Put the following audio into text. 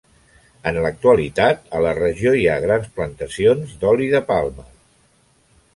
En l'actualitat a la regió hi ha grans plantacions d'oli de palma a la regió.